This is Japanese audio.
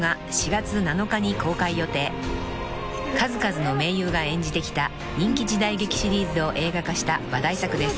［数々の名優が演じてきた人気時代劇シリーズを映画化した話題作です］